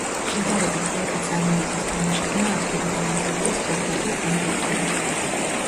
შედარებით იაფი წარმოების თამაშებმა ადგილი დაიმკვიდრეს პორტატულ კომპიუტერებზე.